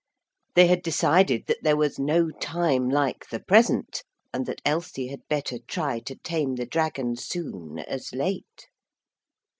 They had decided that there was no time like the present, and that Elsie had better try to tame the dragon soon as late.